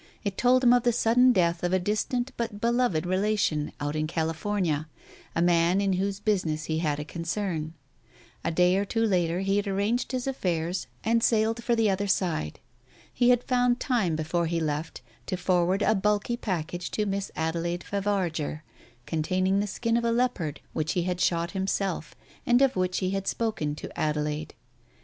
It told him of the sudden death of a distant but beloved relation, out in California, a man in whose business he had a concern. A day or two later he had arranged his affairs and sailed for the Digitized by Google THE TIGER SKIN 249 other side. He had found time before he left to forward a bulk)r package to Miss Adelaide Favarger, containing the skin of a leopard which he had shot himself, and of which he had spoken to Adelaide.